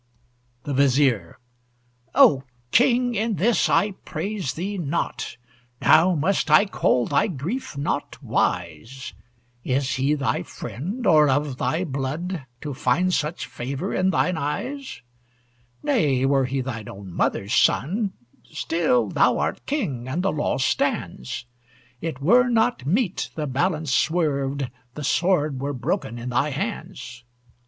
THE VIZIER O King, in this I praise thee not. Now must I call thy grief not wise, Is he thy friend, or of thy blood, To find such favor in thine eyes? Nay, were he thine own mother's son, Still, thou art king, and the law stands. It were not meet the balance swerved, The sword were broken in thy hands.